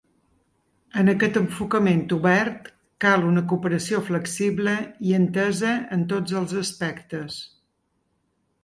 En aquest enfocament obert, cal una cooperació flexible i entesa en tots els aspectes.